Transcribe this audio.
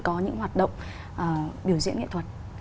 có những hoạt động biểu diễn nghệ thuật